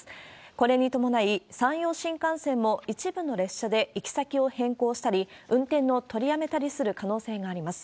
これに伴い、山陽新幹線も、一部の列車で行き先を変更したり、運転を取りやめたりする可能性があります。